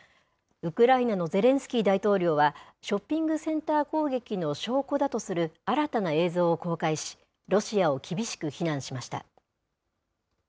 ウクライナのゼレンスキー大統領は、ショッピングセンター攻撃の証拠だとする新たな映像を公開し、ロシアを厳しく非難しました。